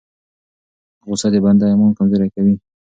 غصه د بنده ایمان کمزوری کوي.